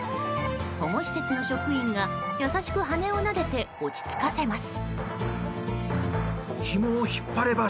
保護施設の職員が、優しく羽をなでて落ち着かせます。